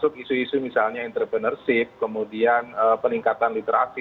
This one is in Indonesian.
diisi misalnya entrepreneurship kemudian peningkatan literasi